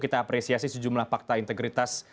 kita apresiasi sejumlah fakta integritas